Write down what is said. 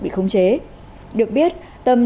bị khống chế được biết tâm